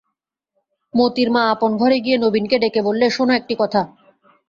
মোতির মা আপন ঘরে গিয়ে নবীনকে ডেকে বললে, শোনো একটি কথা।